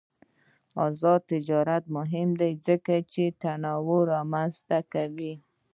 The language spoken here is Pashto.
آزاد تجارت مهم دی ځکه چې تنوع رامنځته کوي.